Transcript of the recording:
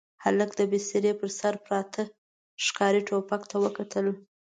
هلک د بسترې پر سر پراته ښکاري ټوپک ته وکتل.